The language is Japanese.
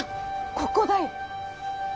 ここだよ！